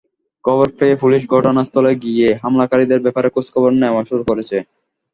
খবর পেয়ে পুলিশ ঘটনাস্থলে গিয়ে হামলাকারীদের ব্যাপারে খোঁজখবর নেওয়া শুরু করেছে।